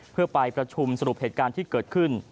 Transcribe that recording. เพื่อไปประชุมสรุปเหตุการณ์ที่เกิดขึ้น